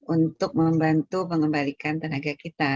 untuk membantu mengembalikan tenaga kita